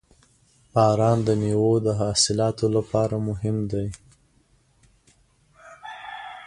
• باران د میوو د حاصلاتو لپاره مهم دی.